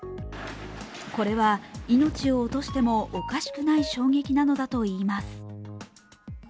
これは命を落としてもおかしくない衝撃なのだといいます。